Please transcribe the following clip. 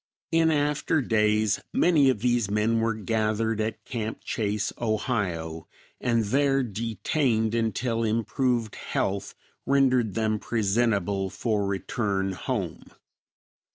In after days many of these men were gathered at Camp Chase, Ohio, and there detained until improved health rendered them presentable for return home.